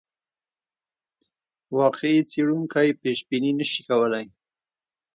واقعي څېړونکی پیشبیني نه شي کولای.